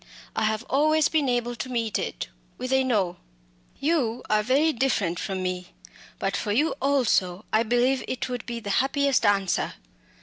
I have always been able to meet it with a No! You are very different from me but for you also I believe it would be the happiest answer."